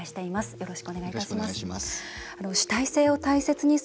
よろしくお願いします。